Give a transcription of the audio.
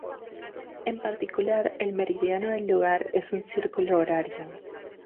En particular el meridiano del lugar es un círculo horario.